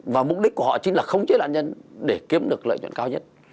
và mục đích của họ chính là khống chế nạn nhân để kiếm được lợi nhuận cao nhất